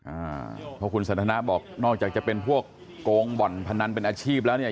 อ่าเพราะคุณสันทนาบอกนอกจากจะเป็นพวกโกงบ่อนพนันเป็นอาชีพแล้วเนี่ย